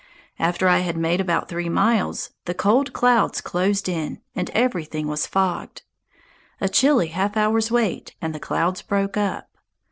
After I had made about three miles, the cold clouds closed in, and everything was fogged. A chilly half hour's wait and the clouds broke up.